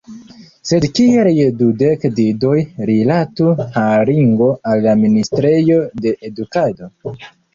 Sed kiel je dudek didoj rilatu haringo al la ministrejo de edukado?